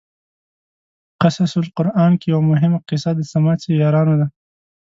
قصص القران کې یوه مهمه قصه د څمڅې یارانو ده.